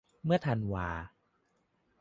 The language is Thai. เมื่อธันวา